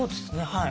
はい。